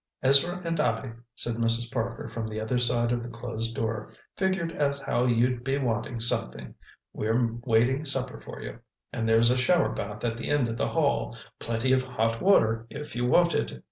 "Ezra and I," said Mrs. Parker from the other side of the closed door, "figured as how you'd be wanting something. We're waitin' supper for you. And there's a showerbath at the end of the hall—plenty of hot water if you want it."